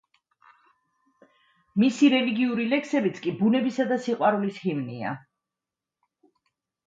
მისი რელიგიური ლექსებიც კი ბუნებისა და სიყვარულის ჰიმნია.